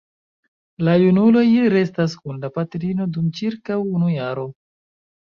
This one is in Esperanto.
La junuloj restas kun la patrino dum ĉirkaŭ unu jaro.